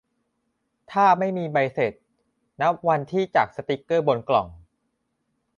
ถ้าไม่มีใบเสร็จ นับวันที่จากสติ๊กเกอร์บนกล่อง